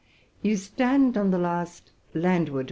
You stand on the last landward?!